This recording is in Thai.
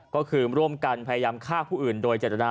ก็คือร่วมกันพยายามฆ่าผู้อื่นโดยเจตนา